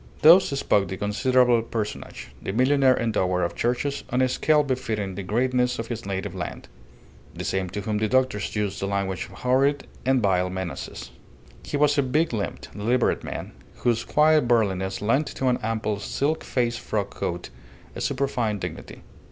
Thus spoke the considerable personage, the millionaire endower of churches on a scale befitting the greatness of his native land the same to whom the doctors used the language of horrid and veiled menaces. He was a big limbed, deliberate man, whose quiet burliness lent to an ample silk faced frock coat a superfine dignity.